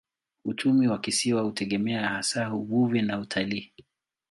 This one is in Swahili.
Uchumi wa kisiwa hutegemea hasa uvuvi na utalii.